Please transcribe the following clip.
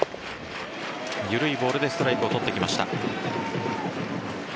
緩いボールでストライクを取ってきました。